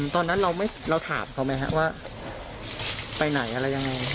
ตอนนั้นเราถามเขาไหมครับว่าไปไหนอะไรยังไง